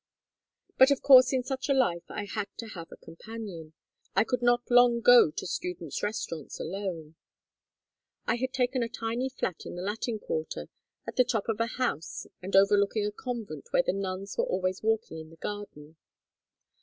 "But of course in such a life I had to have a companion, I could not long go to students' restaurants alone. I had taken a tiny flat in the Latin Quarter at the top of a house, and overlooking a convent where the nuns were always walking in the garden.